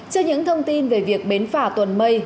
trên những thông tin về việc bến phả tuần mây